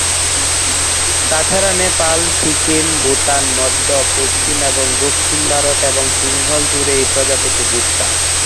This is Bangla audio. তাছাড়া নেপাল, সিকিম, ভুটান, মধ্য, পশ্চিম এবং দক্ষিণ ভারত এবং সিংহল জুড়ে এই প্রজাপতির বিস্তার।